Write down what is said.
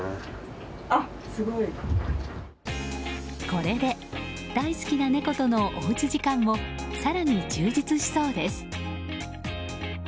これで大好きな猫とのおうち時間も更に充実しそうです。